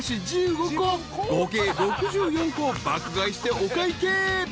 ［合計６４個を爆買いしてお会計］